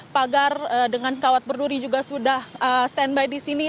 pagar dengan kawat berduri juga sudah standby di sini